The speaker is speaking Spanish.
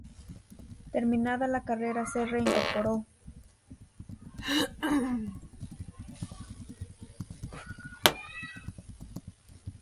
Terminada la carrera se reincorporó.